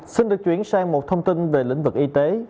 xin được chuyển sang một thông tin về lĩnh vực y tế